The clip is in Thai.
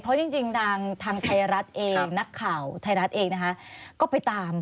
เพราะจริงทางไทยรัฐเองนักข่าวไทยรัฐเองนะคะก็ไปตาม